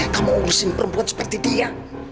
kamu urusin perempuan seperti dia